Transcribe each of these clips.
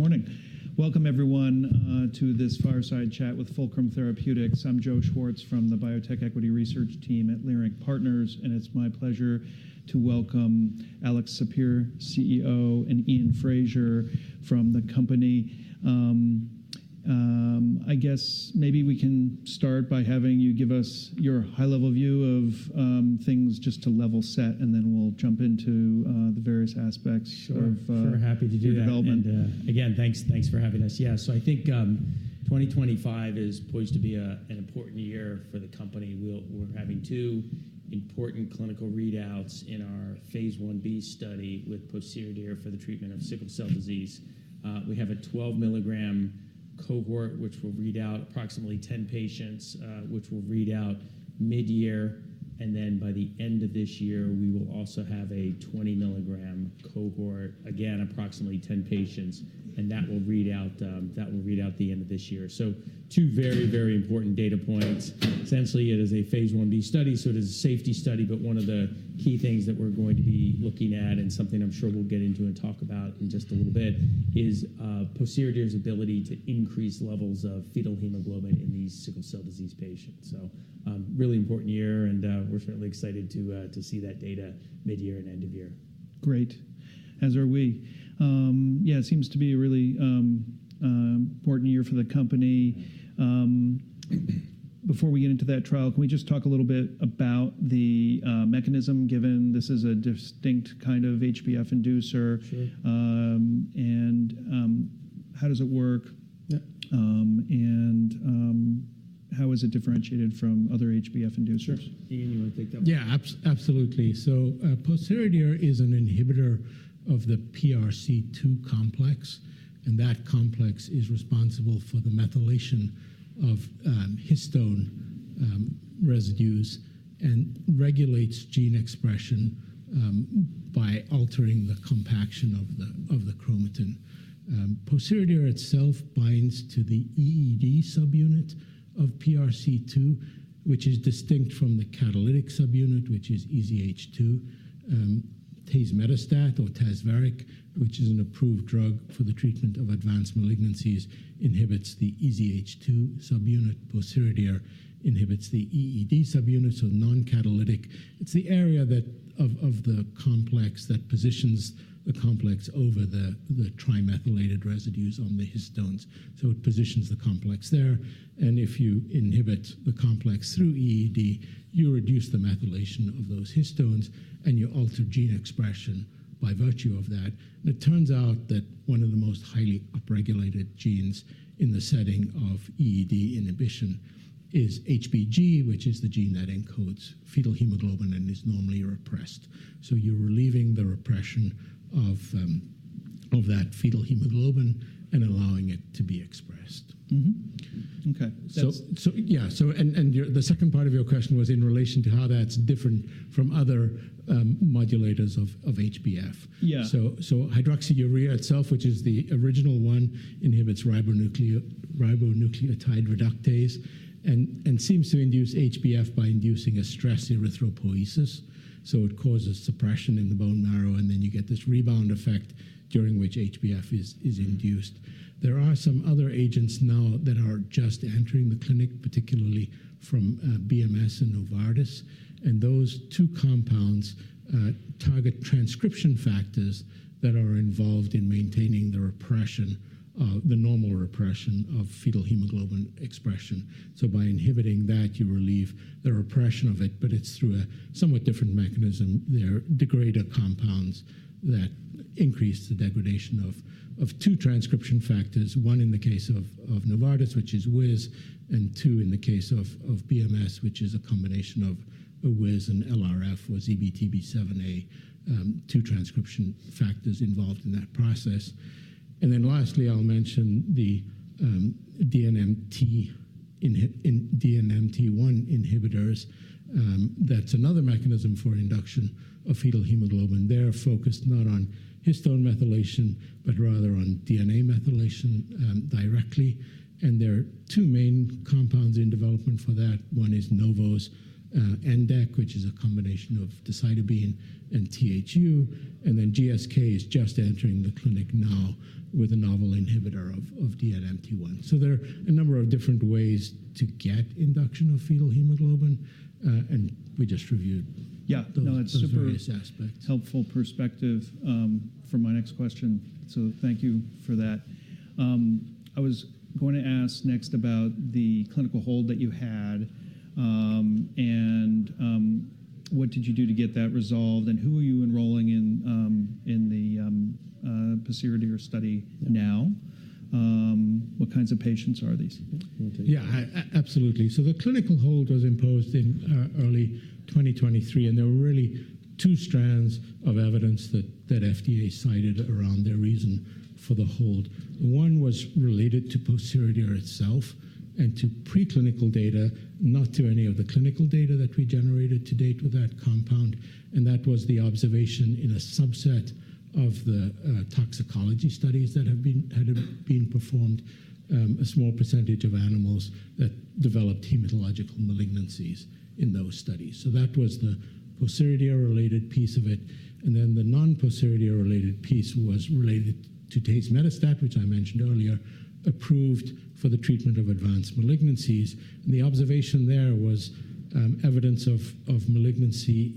Morning. Welcome, everyone, to this fireside chat with Fulcrum Therapeutics. I'm Joe Schwartz from the Biotech Equity Research Team at Leerink Partners, and it's my pleasure to welcome Alex Sapir, CEO, and Iain Fraser from the company. I guess maybe we can start by having you give us your high-level view of things just to level set, and then we'll jump into the various aspects of development. Sure. Sure. Happy to do that. Again, thanks for having us. Yeah, I think 2025 is poised to be an important year for the company. We're having two important clinical readouts in our Phase 1b study with pociredir for the treatment of sickle cell disease. We have a 12mg cohort, which will read out approximately 10 patients, which will read out mid-year, and then by the end of this year, we will also have a 20mg cohort, again, approximately 10 patients, and that will read out the end of this year. Two very, very important data points. Essentially, it is a Phase 1b study, so it is a safety study, but one of the key things that we're going to be looking at, and something I'm sure we'll get into and talk about in just a little bit, is pociredir's ability to increase levels of fetal hemoglobin in these sickle cell disease patients. Really important year, and we're certainly excited to see that data mid-year and end of year. Great, as are we. Yeah, it seems to be a really important year for the company. Before we get into that trial, can we just talk a little bit about the mechanism, given this is a distinct kind of HbF inducer? Sure. How does it work? Yeah. How is it differentiated from other HbF inducers? Sure. Iain, you want to take that one? Yeah, absolutely. Pociredir is an inhibitor of the PRC2 complex, and that complex is responsible for the methylation of histone residues and regulates gene expression by altering the compaction of the chromatin. Pociredir itself binds to the EED subunit of PRC2, which is distinct from the catalytic subunit, which is EZH2. Tazverik, or tazemetostat, which is an approved drug for the treatment of advanced malignancies, inhibits the EZH2 subunit. Pociredir inhibits the EED subunit, so non-catalytic. It is the area of the complex that positions the complex over the trimethylated residues on the histones. It positions the complex there, and if you inhibit the complex through EED, you reduce the methylation of those histones, and you alter gene expression by virtue of that. It turns out that one of the most highly upregulated genes in the setting of EED inhibition is HBG, which is the gene that encodes fetal hemoglobin and is normally repressed. You're relieving the repression of that fetal hemoglobin and allowing it to be expressed. Okay. Yeah. The second part of your question was in relation to how that's different from other modulators of HbF. Yeah. Hydroxyurea itself, which is the original one, inhibits ribonucleotide reductase and seems to induce HbF by inducing a stress erythropoiesis. It causes suppression in the bone marrow, and then you get this rebound effect during which HbF is induced. There are some other agents now that are just entering the clinic, particularly from BMS and Novartis, and those two compounds target transcription factors that are involved in maintaining the normal repression of fetal hemoglobin expression. By inhibiting that, you relieve the repression of it, but it is through a somewhat different mechanism. There are degrader compounds that increase the degradation of two transcription factors, one in the case of Novartis, which is BCL11A, and two in the case of BMS, which is a combination of BCL11A and LRF or ZBTB7A, two transcription factors involved in that process. Lastly, I will mention the DNMT1 inhibitors. That's another mechanism for induction of fetal hemoglobin. They're focused not on histone methylation, but rather on DNA methylation directly. There are two main compounds in development for that. One is Novo's NDec, which is a combination of decitabine and THU, and GSK is just entering the clinic now with a novel inhibitor of DNMT1. There are a number of different ways to get induction of fetal hemoglobin, and we just reviewed those various aspects. Yeah, no, that's a very helpful perspective for my next question, so thank you for that. I was going to ask next about the clinical hold that you had, and what did you do to get that resolved, and who are you enrolling in the pociredir study now? What kinds of patients are these? Yeah, absolutely. The clinical hold was imposed in early 2023, and there were really two strands of evidence that FDA cited around their reason for the hold. One was related to pociredir itself and to preclinical data, not to any of the clinical data that we generated to date with that compound, and that was the observation in a subset of the toxicology studies that had been performed. A small percentage of animals developed hematological malignancies in those studies. That was the pociredir-related piece of it, and then the non-pociredir-related piece was related to Tazverik, which I mentioned earlier, approved for the treatment of advanced malignancies. The observation there was evidence of malignancy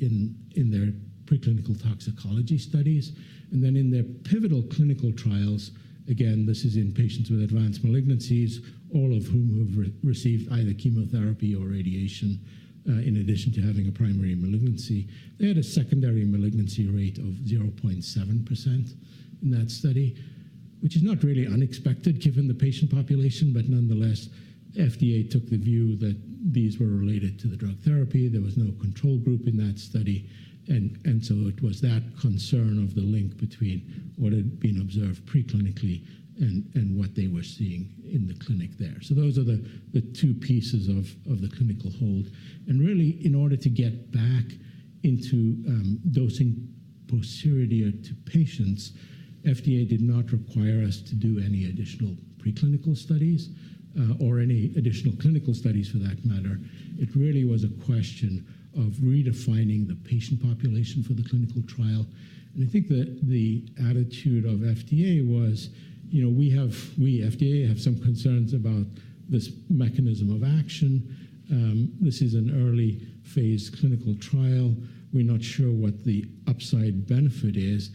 in their preclinical toxicology studies. In their pivotal clinical trials, again, this is in patients with advanced malignancies, all of whom have received either chemotherapy or radiation in addition to having a primary malignancy, they had a secondary malignancy rate of 0.7% in that study, which is not really unexpected given the patient population, but nonetheless, FDA took the view that these were related to the drug therapy. There was no control group in that study, and it was that concern of the link between what had been observed preclinically and what they were seeing in the clinic there. Those are the two pieces of the clinical hold. Really, in order to get back into dosing pociredir to patients, FDA did not require us to do any additional preclinical studies or any additional clinical studies for that matter. It really was a question of redefining the patient population for the clinical trial. I think the attitude of FDA was, you know, we have, FDA has some concerns about this mechanism of action. This is an early-phase clinical trial. We're not sure what the upside benefit is.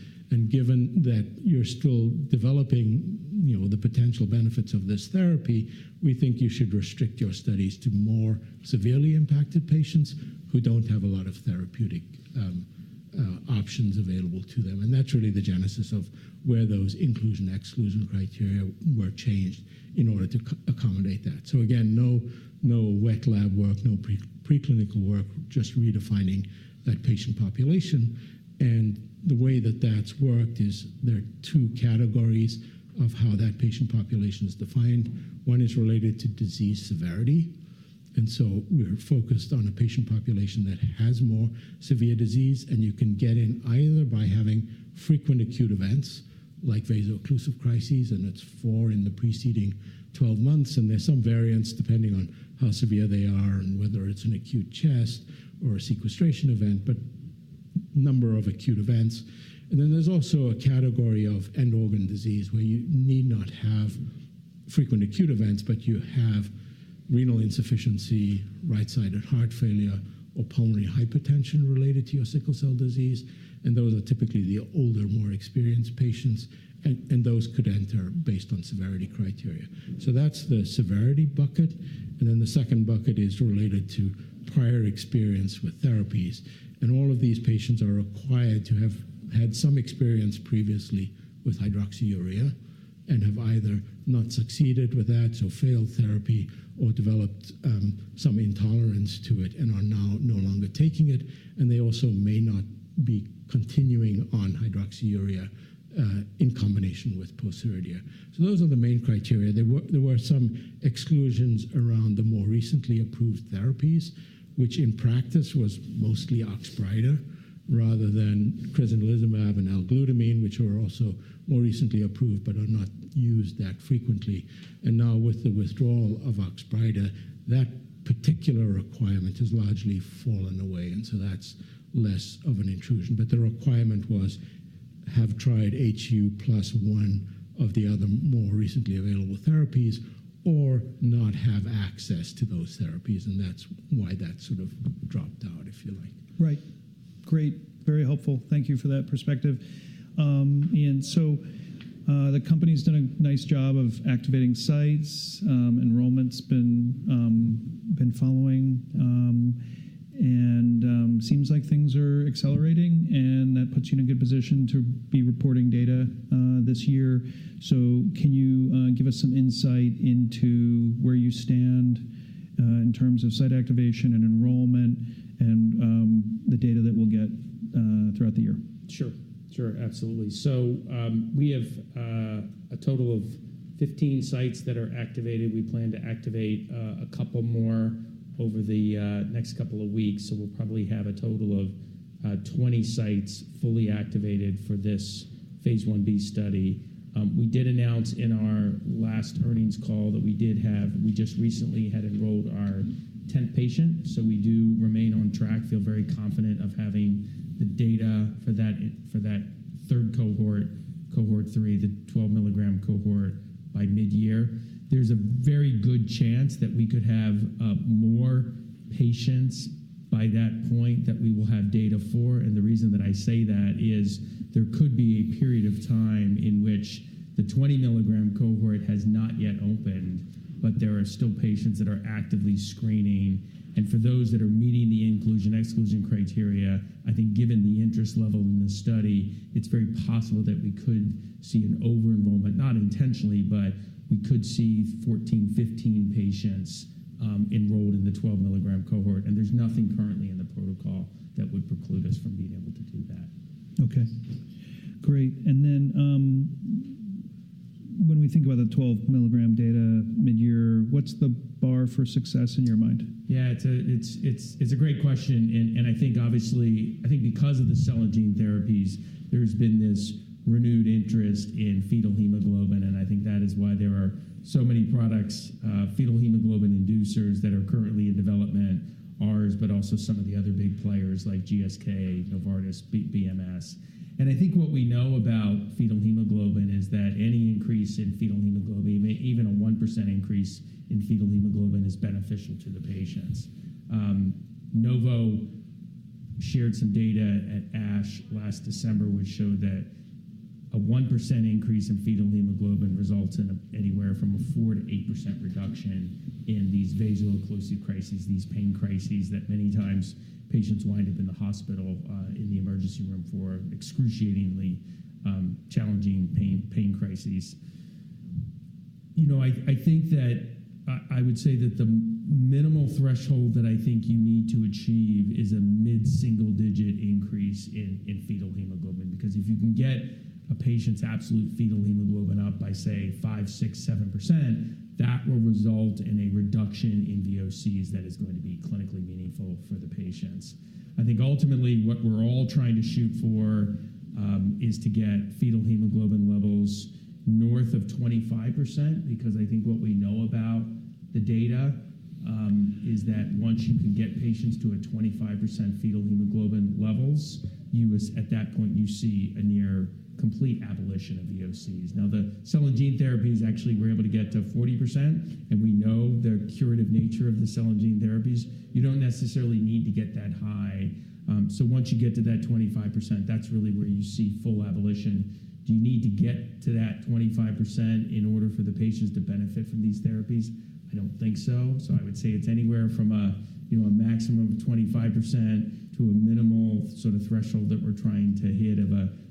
Given that you're still developing the potential benefits of this therapy, we think you should restrict your studies to more severely impacted patients who don't have a lot of therapeutic options available to them. That's really the genesis of where those inclusion-exclusion criteria were changed in order to accommodate that. Again, no wet lab work, no preclinical work, just redefining that patient population. The way that that's worked is there are two categories of how that patient population is defined. One is related to disease severity, and so we're focused on a patient population that has more severe disease, and you can get in either by having frequent acute events like vaso-occlusive crises, and it's four in the preceding 12 months, and there's some variance depending on how severe they are and whether it's an acute chest or a sequestration event, but a number of acute events. There is also a category of end-organ disease where you need not have frequent acute events, but you have renal insufficiency, right-sided heart failure, or pulmonary hypertension related to your sickle cell disease, and those are typically the older, more experienced patients, and those could enter based on severity criteria. That's the severity bucket, and then the second bucket is related to prior experience with therapies, and all of these patients are required to have had some experience previously with hydroxyurea and have either not succeeded with that, so failed therapy, or developed some intolerance to it and are now no longer taking it, and they also may not be continuing on hydroxyurea in combination with pociredir. Those are the main criteria. There were some exclusions around the more recently approved therapies, which in practice was mostly Oxbryta, rather than crizanlizumab and L-glutamine, which were also more recently approved but are not used that frequently. Now with the withdrawal of Oxbryta, that particular requirement has largely fallen away, and so that's less of an intrusion. The requirement was to have tried HU plus one of the other more recently available therapies or not have access to those therapies, and that's why that sort of dropped out, if you like. Right. Great. Very helpful. Thank you for that perspective. Iain, the company's done a nice job of activating sites. Enrollment's been following, and it seems like things are accelerating, and that puts you in a good position to be reporting data this year. Can you give us some insight into where you stand in terms of site activation and enrollment and the data that we'll get throughout the year? Sure, absolutely. We have a total of 15 sites that are activated. We plan to activate a couple more over the next couple of weeks, so we will probably have a total of 20 sites fully activated for this Phase 1b study. We did announce in our last earnings call that we just recently had enrolled our 10th patient, so we do remain on track. Feel very confident of having the data for that third cohort, cohort 3, the 12mg cohort, by mid-year. There is a very good chance that we could have more patients by that point that we will have data for, and the reason that I say that is there could be a period of time in which the 20-mg cohort has not yet opened, but there are still patients that are actively screening. For those that are meeting the inclusion-exclusion criteria, I think given the interest level in this study, it's very possible that we could see an over-enrollment, not intentionally, but we could see 14, 15 patients enrolled in the 12 mg cohort, and there's nothing currently in the protocol that would preclude us from being able to do that. Okay. Great. When we think about the 12mg data mid-year, what's the bar for success in your mind? Yeah, it's a great question, and I think, obviously, I think because of the cell and gene therapies, there's been this renewed interest in fetal hemoglobin, and I think that is why there are so many products, fetal hemoglobin inducers that are currently in development, ours, but also some of the other big players like GSK, Novartis, BMS. I think what we know about fetal hemoglobin is that any increase in fetal hemoglobin, even a 1% increase in fetal hemoglobin, is beneficial to the patients. Novo shared some data at ASH last December, which showed that a 1% increase in fetal hemoglobin results in anywhere from a 4-8% reduction in these vaso-occlusive crises, these pain crises that many times patients wind up in the hospital, in the emergency room, for excruciatingly challenging pain crises. You know, I think that I would say that the minimal threshold that I think you need to achieve is a mid-single-digit increase in fetal hemoglobin because if you can get a patient's absolute fetal hemoglobin up by, say, 5%, 6%, 7%, that will result in a reduction in VOCs that is going to be clinically meaningful for the patients. I think ultimately what we're all trying to shoot for is to get fetal hemoglobin levels north of 25% because I think what we know about the data is that once you can get patients to a 25% fetal hemoglobin levels, at that point you see a near complete abolition of VOCs. Now, the cell and gene therapies, actually, we're able to get to 40%, and we know the curative nature of the cell and gene therapies. You don't necessarily need to get that high. Once you get to that 25%, that's really where you see full abolition. Do you need to get to that 25% in order for the patients to benefit from these therapies? I don't think so. I would say it's anywhere from a maximum of 25% to a minimal sort of threshold that we're trying to hit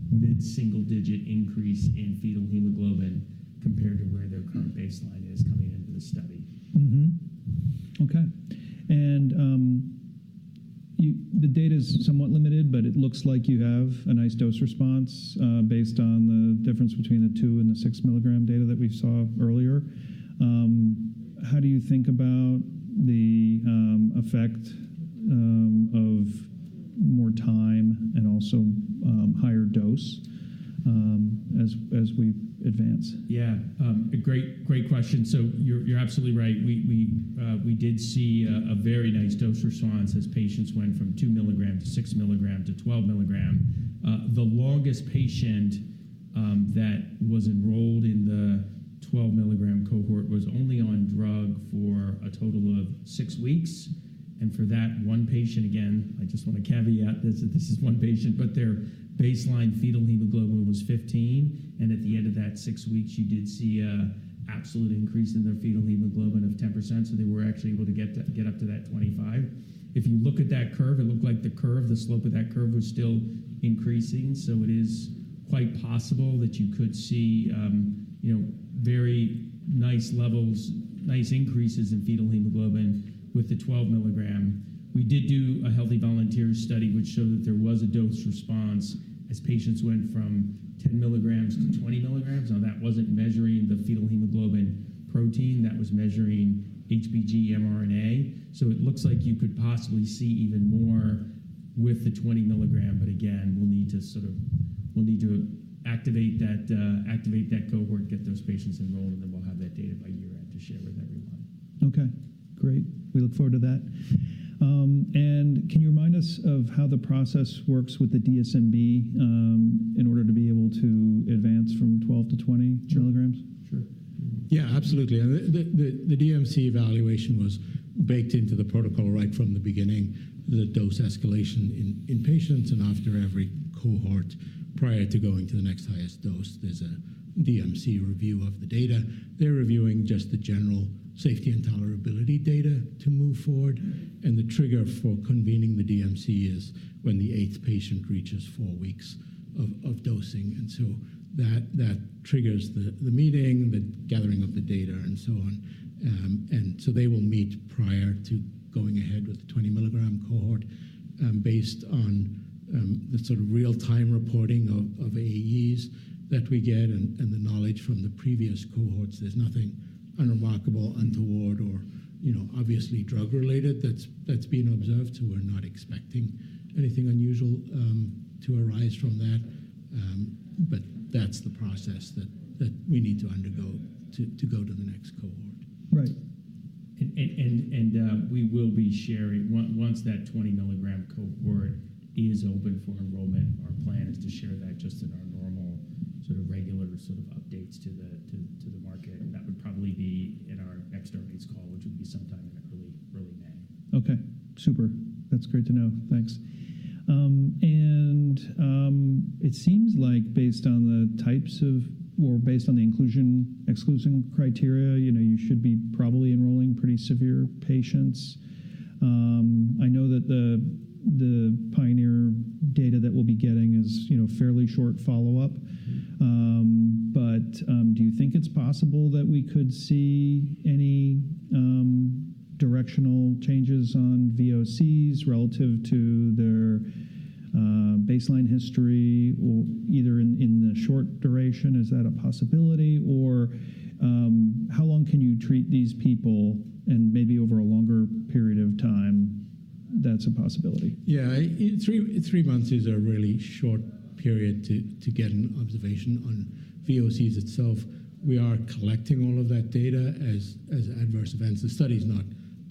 of a mid-single-digit increase in fetal hemoglobin compared to where their current baseline is coming into the study. Okay. The data is somewhat limited, but it looks like you have a nice dose response based on the difference between the 2 and the 6-mg data that we saw earlier. How do you think about the effect of more time and also higher dose as we advance? Yeah. Great question. You're absolutely right. We did see a very nice dose response as patients went from 2 mg to 6 mg to 12 mg. The longest patient that was enrolled in the 12 mg cohort was only on drug for a total of six weeks, and for that one patient, again, I just want to caveat that this is one patient, but their baseline fetal hemoglobin was 15, and at the end of that six weeks, you did see an absolute increase in their fetal hemoglobin of 10%, so they were actually able to get up to that 25. If you look at that curve, it looked like the curve, the slope of that curve was still increasing, so it is quite possible that you could see very nice levels, nice increases in fetal hemoglobin with the 12 mg. We did do a healthy volunteers study which showed that there was a dose response as patients went from 10 mg to 20 mg. That was not measuring the fetal hemoglobin protein; that was measuring HBG mRNA. It looks like you could possibly see even more with the 20 mg, but again, we will need to sort of activate that cohort, get those patients enrolled, and then we will have that data by year-end to share with everyone. Okay. Great. We look forward to that. Can you remind us of how the process works with the DSMB in order to be able to advance from 12 to 20 mg? Sure. Yeah, absolutely. The DMC evaluation was baked into the protocol right from the beginning, the dose escalation in patients and after every cohort prior to going to the next highest dose. There is a DMC review of the data. They are reviewing just the general safety and tolerability data to move forward, and the trigger for convening the DMC is when the eighth patient reaches four weeks of dosing, and that triggers the meeting, the gathering of the data, and so on. They will meet prior to going ahead with the 20 mg cohort based on the sort of real-time reporting of AEs that we get and the knowledge from the previous cohorts. There is nothing unremarkable, untoward, or obviously drug-related that is being observed, so we are not expecting anything unusual to arise from that, but that is the process that we need to undergo to go to the next cohort. Right. We will be sharing once that 20-mg cohort is open for enrollment. Our plan is to share that just in our normal sort of regular sort of updates to the market. That would probably be in our next earnings call, which would be sometime in early May. Okay. Super. That's great to know. Thanks. It seems like based on the types of, or based on the inclusion-exclusion criteria, you should be probably enrolling pretty severe patients. I know that the Pioneer data that we'll be getting is fairly short follow-up, but do you think it's possible that we could see any directional changes on VOCs relative to their baseline history either in the short duration? Is that a possibility? How long can you treat these people, and maybe over a longer period of time, that's a possibility? Yeah. Three months is a really short period to get an observation on VOCs itself. We are collecting all of that data as adverse events. The study is not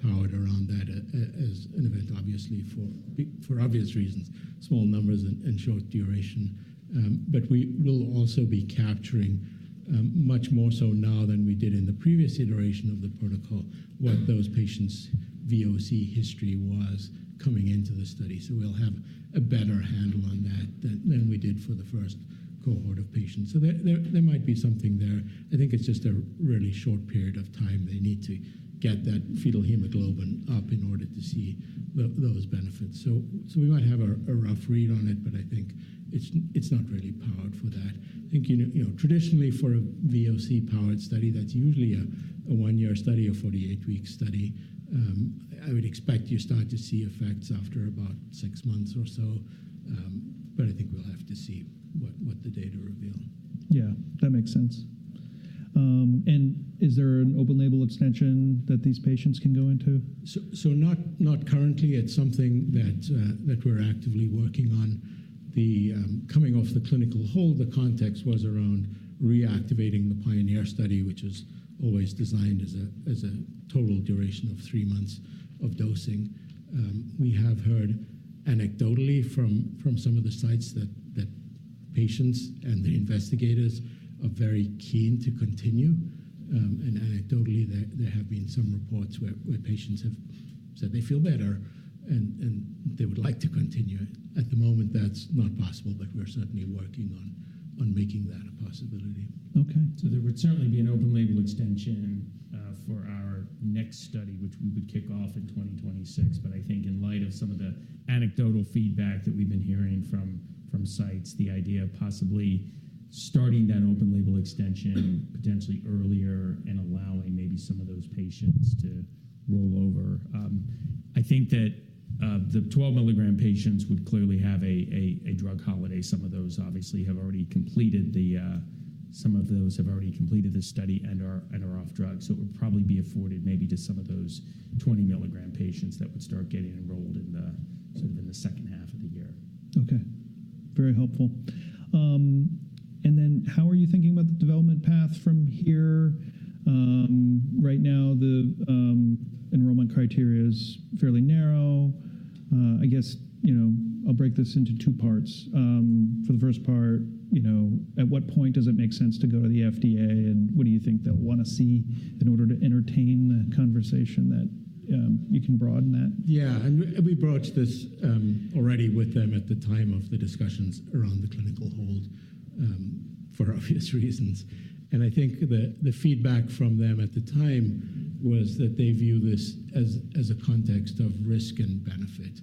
powered around that as an event, obviously, for obvious reasons, small numbers and short duration, but we will also be capturing much more so now than we did in the previous iteration of the protocol what those patients' VOC history was coming into the study, so we'll have a better handle on that than we did for the first cohort of patients. There might be something there. I think it's just a really short period of time they need to get that fetal hemoglobin up in order to see those benefits. We might have a rough read on it, but I think it's not really powered for that. I think traditionally for a VOC-powered study, that's usually a one-year study or 48-week study. I would expect you start to see effects after about six months or so, but I think we'll have to see what the data reveal. Yeah. That makes sense. Is there an open-label extension that these patients can go into? Not currently. It's something that we're actively working on. Coming off the clinical hold, the context was around reactivating the Pioneer study, which is always designed as a total duration of three months of dosing. We have heard anecdotally from some of the sites that patients and the investigators are very keen to continue, and anecdotally there have been some reports where patients have said they feel better and they would like to continue. At the moment, that's not possible, but we're certainly working on making that a possibility. Okay. There would certainly be an open-label extension for our next study, which we would kick off in 2026. I think in light of some of the anecdotal feedback that we've been hearing from sites, the idea of possibly starting that open-label extension potentially earlier and allowing maybe some of those patients to roll over. I think that the 12-mg patients would clearly have a drug holiday. Some of those have already completed the study and are off drugs, so it would probably be afforded maybe to some of those 20-mg patients that would start getting enrolled in the second half of the year. Okay. Very helpful. How are you thinking about the development path from here? Right now, the enrollment criteria is fairly narrow. I guess I'll break this into two parts. For the first part, at what point does it make sense to go to the FDA, and what do you think they'll want to see in order to entertain the conversation that you can broaden that? Yeah. We broached this already with them at the time of the discussions around the clinical hold for obvious reasons, and I think the feedback from them at the time was that they view this as a context of risk and benefit.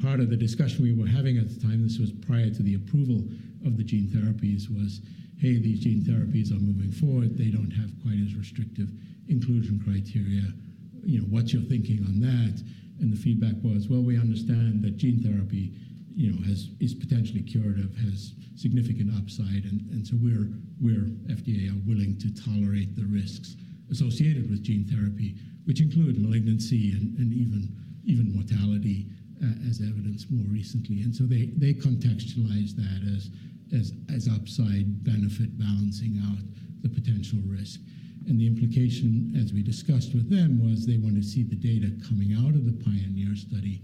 Part of the discussion we were having at the time, this was prior to the approval of the gene therapies, was, "Hey, these gene therapies are moving forward. They do not have quite as restrictive inclusion criteria. What's your thinking on that?" The feedback was, "We understand that gene therapy is potentially curative, has significant upside, and so we, FDA, are willing to tolerate the risks associated with gene therapy, which include malignancy and even mortality as evidenced more recently." They contextualized that as upside benefit balancing out the potential risk. The implication, as we discussed with them, was they want to see the data coming out of the Pioneer study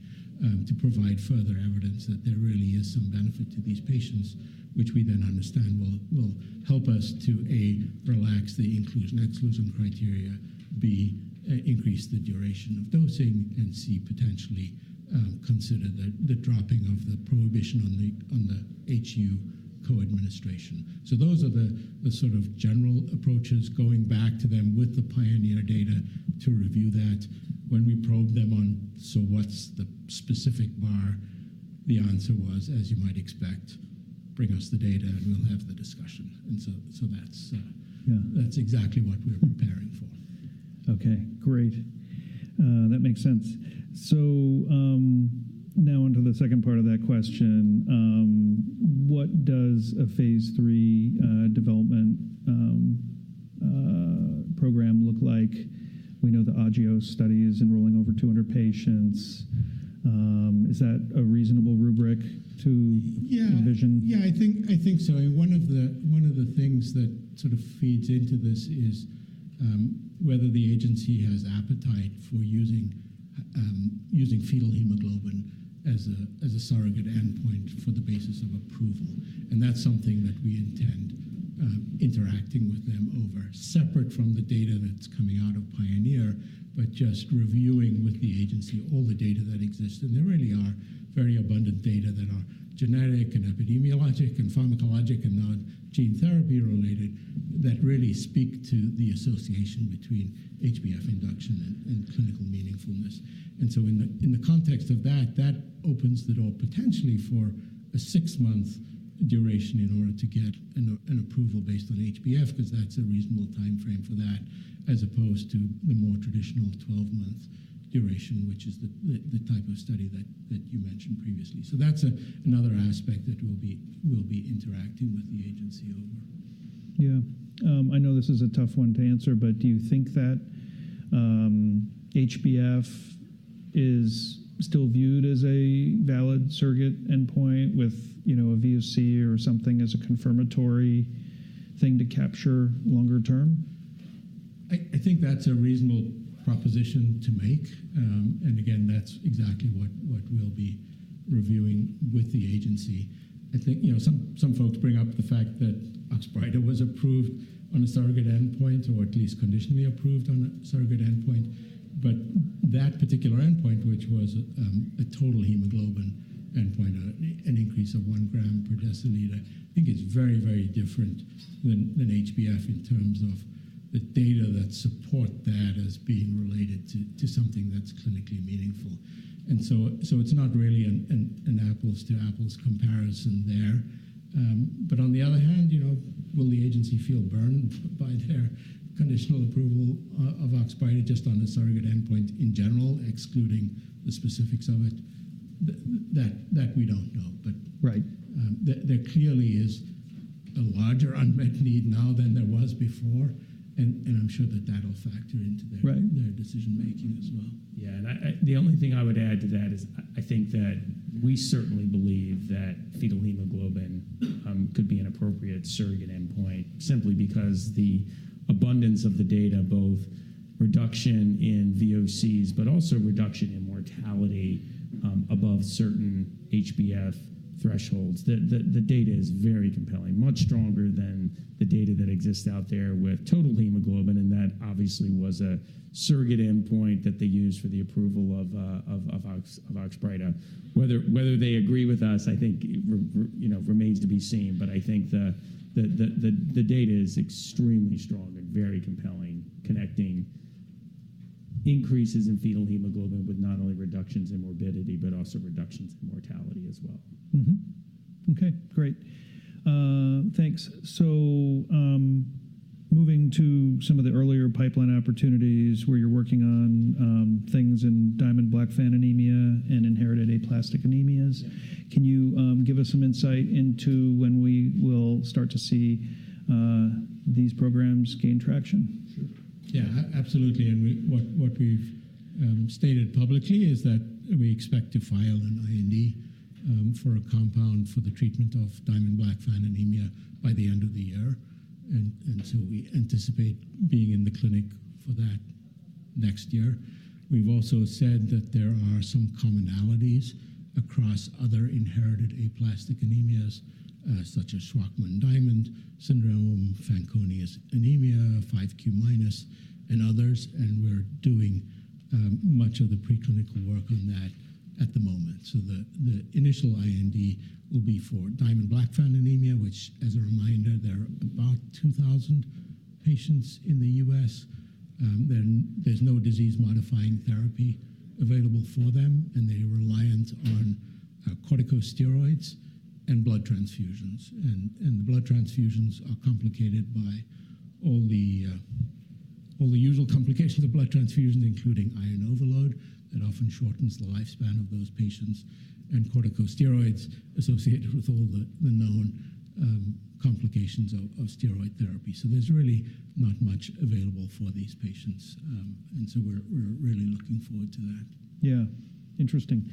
to provide further evidence that there really is some benefit to these patients, which we then understand will help us to, A, relax the inclusion-exclusion criteria, B, increase the duration of dosing, and C, potentially consider the dropping of the prohibition on the HU co-administration. Those are the sort of general approaches. Going back to them with the Pioneer data to review that, when we probed them on, "So what's the specific bar?" the answer was, "As you might expect, bring us the data and we'll have the discussion." That is exactly what we're preparing for. Okay. Great. That makes sense. Now onto the second part of that question. What does a phase III development program look like? We know the Agios study is enrolling over 200 patients. Is that a reasonable rubric to envision? Yeah. Yeah, I think so. One of the things that sort of feeds into this is whether the agency has appetite for using fetal hemoglobin as a surrogate endpoint for the basis of approval, and that's something that we intend interacting with them over, separate from the data that's coming out of Pioneer, but just reviewing with the agency all the data that exists. There really are very abundant data that are genetic and epidemiologic and pharmacologic and non-gene therapy related that really speak to the association between HbF induction and clinical meaningfulness. In the context of that, that opens the door potentially for a six-month duration in order to get an approval based on HbF because that's a reasonable timeframe for that, as opposed to the more traditional 12-month duration, which is the type of study that you mentioned previously. That's another aspect that we'll be interacting with the agency over. Yeah. I know this is a tough one to answer, but do you think that HbF is still viewed as a valid surrogate endpoint with a VOC or something as a confirmatory thing to capture longer term? I think that's a reasonable proposition to make, and again, that's exactly what we'll be reviewing with the agency. I think some folks bring up the fact that Oxbryta was approved on a surrogate endpoint or at least conditionally approved on a surrogate endpoint, but that particular endpoint, which was a total hemoglobin endpoint, an increase of 1 gram per deciliter, I think is very, very different than HbF in terms of the data that support that as being related to something that's clinically meaningful. It's not really an apples-to-apples comparison there. On the other hand, will the agency feel burned by their conditional approval of Oxbryta just on the surrogate endpoint in general, excluding the specifics of it? That we don't know, but there clearly is a larger unmet need now than there was before, and I'm sure that that'll factor into their decision-making as well. Yeah. The only thing I would add to that is I think that we certainly believe that fetal hemoglobin could be an appropriate surrogate endpoint simply because the abundance of the data, both reduction in VOCs but also reduction in mortality above certain HbF thresholds, the data is very compelling, much stronger than the data that exists out there with total hemoglobin, and that obviously was a surrogate endpoint that they used for the approval of Oxbryta. Whether they agree with us, I think, remains to be seen, but I think the data is extremely strong and very compelling, connecting increases in fetal hemoglobin with not only reductions in morbidity but also reductions in mortality as well. Okay. Great. Thanks. Moving to some of the earlier pipeline opportunities where you're working on things in Diamond-Blackfan anemia and inherited aplastic anemias, can you give us some insight into when we will start to see these programs gain traction? Sure. Yeah, absolutely. What we've stated publicly is that we expect to file an IND for a compound for the treatment of Diamond-Blackfan anemia by the end of the year, and we anticipate being in the clinic for that next year. We've also said that there are some commonalities across other inherited aplastic anemias such as Shwachman-Diamond syndrome, Fanconi anemia, 5q-, and others, and we're doing much of the preclinical work on that at the moment. The initial IND will be for Diamond-Blackfan anemia, which, as a reminder, there are about 2,000 patients in the US. There's no disease-modifying therapy available for them, and they are reliant on corticosteroids and blood transfusions. The blood transfusions are complicated by all the usual complications of blood transfusions, including iron overload that often shortens the lifespan of those patients, and corticosteroids associated with all the known complications of steroid therapy. There is really not much available for these patients, and we are really looking forward to that. Yeah. Interesting.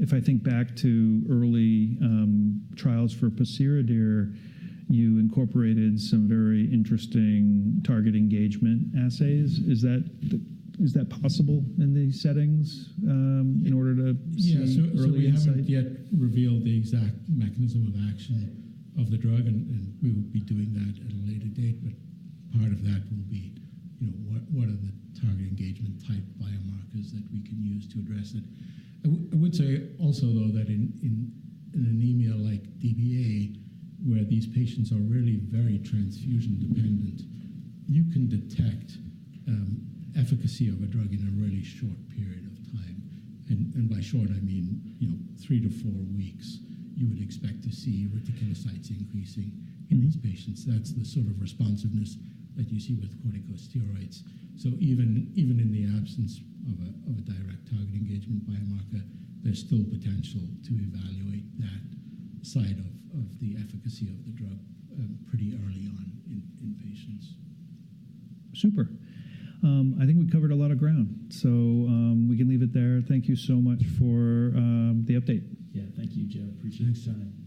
If I think back to early trials for pociredir, you incorporated some very interesting target engagement assays. Is that possible in these settings in order to see early assays? Yeah. We haven't yet revealed the exact mechanism of action of the drug, and we will be doing that at a later date, but part of that will be what are the target engagement type biomarkers that we can use to address it. I would say also, though, that in an anemia like DBA, where these patients are really very transfusion dependent, you can detect efficacy of a drug in a really short period of time, and by short, I mean three to four weeks. You would expect to see reticulocytes increasing in these patients. That's the sort of responsiveness that you see with corticosteroids. Even in the absence of a direct target engagement biomarker, there's still potential to evaluate that side of the efficacy of the drug pretty early on in patients. Super. I think we covered a lot of ground, so we can leave it there. Thank you so much for the update. Yeah. Thank you, Joe. Appreciate it. Next time.